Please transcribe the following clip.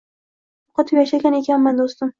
Yo’qotib yashagan ekanman, do’stim.